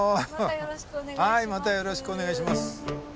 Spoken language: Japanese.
はいまたよろしくお願いします。